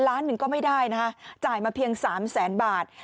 ล้านหนึ่งก็ไม่ได้นะคะจ่ายมาเพียง๓แสนบาท